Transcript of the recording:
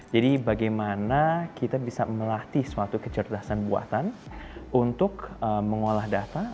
jadi bagaimana kita bisa melatih suatu kecerdasan buatan untuk mengolah data